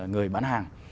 người bán hàng